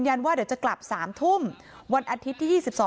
คำให้การในกอล์ฟนี่คือคำให้การในกอล์ฟนี่คือ